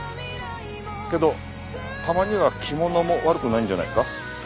けどたまには着物も悪くないんじゃないか？